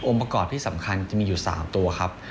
ประกอบที่สำคัญจะมีอยู่๓ตัวครับ